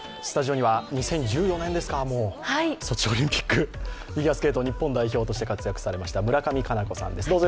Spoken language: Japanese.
スタジオには２０１４年ですか、ソチオリンピック、フィギュアスケート日本代表として活躍されました村上佳菜子さんです。